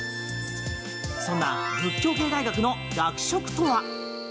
そんな仏教系大学の学食とは？